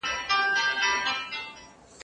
بیا به ئې دا شرط پر ایښاوه.